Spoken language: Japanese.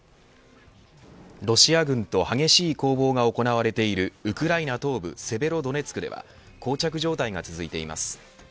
ロシア軍と激しい攻防が行われているウクライナ東部セベロドネツクではこう着状態が続いています。